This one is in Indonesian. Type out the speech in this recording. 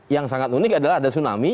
yang sangat unik adalah ada tsunami